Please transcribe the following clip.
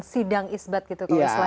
sidang isbat gitu kalau istilahnya